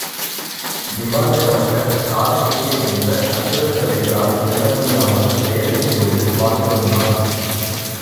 நிவாத கவசர், கால கேயர் என்ற அசுரர்களைத் தான் வெல்ல முடியாமல் வேதனையோடு வாழ்ந்து வந்தான்.